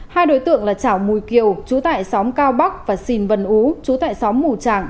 hai đối tượng là chảo mùi kiều chú tải xóm cao bóc và xìn vân ú chú tải xóm mù trảng